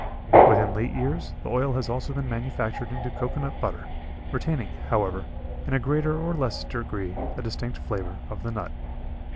Within late years the oil has also been manufactured into cocoa nut butter, retaining, however, in a greater or less degree a distinct flavor of the nut.